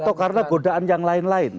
atau karena godaan yang lain lain